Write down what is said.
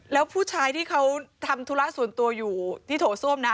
แล้วผู้ชายที่เขาทำธุระส่วนตัวอยู่ที่โถส้วมนะ